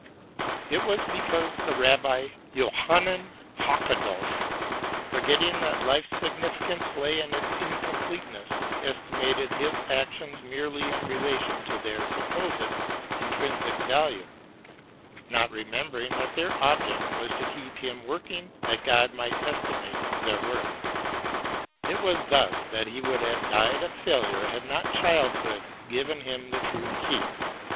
It was because the Rabbi Jochanan Hakkadosh, forgetting that life's significance lay in its incompleteness, estimated his actions merely in relation to their supposed intrinsic value, not remembering that their object was to keep him working that God might estimate their worth : it was thus that he would have died a failure had not childhood given him the true key.